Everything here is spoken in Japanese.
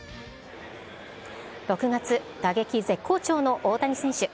６月、打撃絶好調の大谷選手。